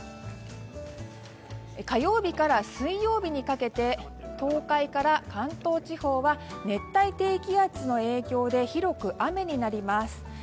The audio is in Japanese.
火曜日から水曜日にかけて東海から関東地方は熱帯低気圧の影響で広く雨になります。